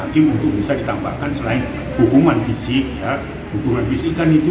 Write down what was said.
kisah kisah yang terjadi di indonesia